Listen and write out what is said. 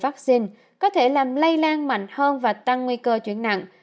vắc chung có thể làm lây lan mạnh hơn và tăng nguy cơ chuyển nặng